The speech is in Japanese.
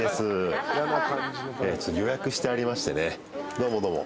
どうもどうも。